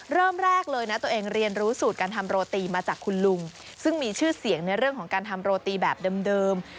เริ่มแรกเลยนะตัวเองเรียนรู้สูตรการทำโรตีมาจากคุณลุงซึ่งมีชื่อเสียงในเรื่องของการทำโรตีแบบเดิม